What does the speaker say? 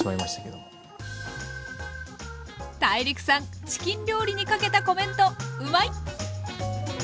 ＴＡＩＲＩＫさんチキン料理にかけたコメントうまい！